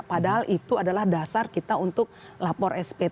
padahal itu adalah dasar kita untuk lapor spt